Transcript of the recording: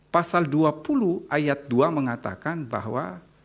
pasal dua puluh ayat dua mengatakan bahwa